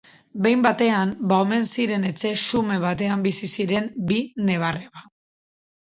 Behin batean ba omen ziren etxe xume batean bizi ziren bi neba-arreba.